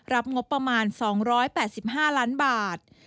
รับงบประมาณ๒๘๕ล้านบาท